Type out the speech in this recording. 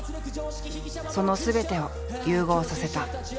そのすべてを融合させた。